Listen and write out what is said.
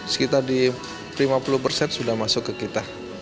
sekitar di lima puluh persen sudah masuk ke kita